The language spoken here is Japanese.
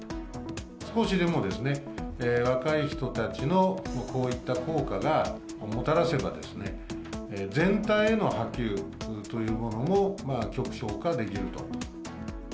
少しでも若い人たちのこういった効果がもたらせばですね、全体への波及というものも極小化できると。